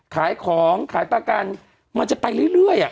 ขายของขายประกันมันจะไปเรื่อย